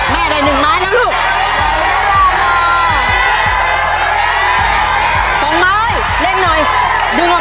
ได้๑ไม้แล้วลูก